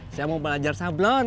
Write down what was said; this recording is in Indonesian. saya mau belajar sablon